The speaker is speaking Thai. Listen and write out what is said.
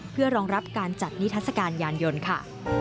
เพื่อรองรับการจัดนิทัศกาลยานยนต์ค่ะ